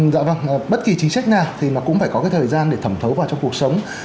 dạ vâng bất kỳ chính sách nào thì nó cũng phải có cái thời gian để thẩm thấu vào trong cuộc sống